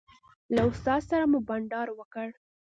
له استاد سره مو بانډار وکړ.